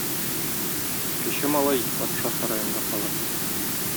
Кече малай патша сараенда кала.